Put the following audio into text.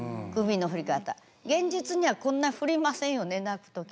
現実にはこんな振りませんよね泣く時。